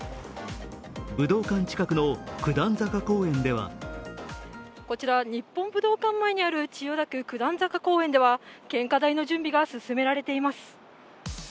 武道館近くの九段坂公園ではこちらは日本武道館前にある千代田区・九段坂公園では献花台の準備が進められています。